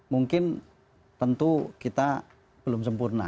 mungkin tentu kita belum sempurna